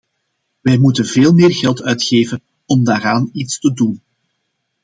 Wij moeten veel meer geld uitgeven om daaraan iets te doen.